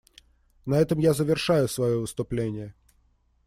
На этом я завершаю свое выступление.